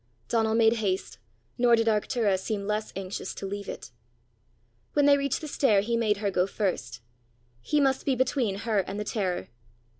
Donal made haste, nor did Arctura seem less anxious to leave it. When they reached the stair, he made her go first: he must be between her and the terror!